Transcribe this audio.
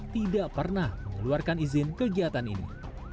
tidak pernah mengeluarkan izin kegiatan ini